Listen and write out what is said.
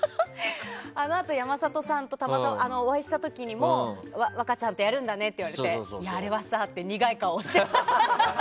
あのあと、山里さんとたまたまお会いした時にも若ちゃんとやるんだねって言われてあれはさって苦い顔してました。